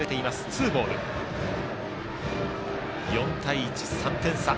４対１、３点差。